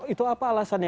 itu apa alasannya